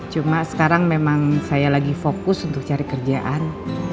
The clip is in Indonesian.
cuma sekarang memang saya lagi fokus untuk cari kerjaan